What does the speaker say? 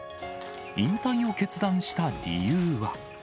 引退を決断した理由は。